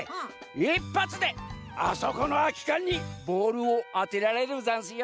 １ぱつであそこのあきかんにボールをあてられるざんすよ。